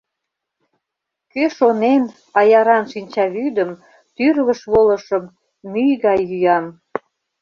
Кӧ шонен, аяран шинчавӱдым, тӱрвыш волышым, мӱй гай йӱам?